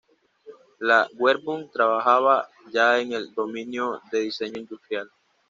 La Werkbund trabajaba ya en el dominio de diseño industrial.